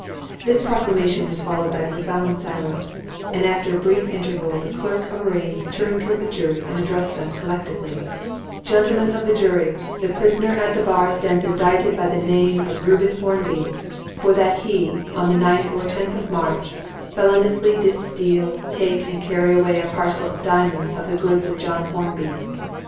This proclamation was followed by a profound silence, and after a brief interval the Clerk of Arraigns turned towards the jury and addressed them collectively "Gentlemen of the jury, the prisoner at the bar stands indicted by the name of Reuben Hornby, for that he, on the ninth or tenth of March, feloniously did steal, take and carry away a parcel of diamonds of the goods of John Hornby.